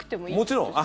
もちろん。